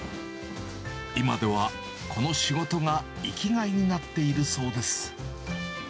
今ではこの仕事が生きがいになっているそうです。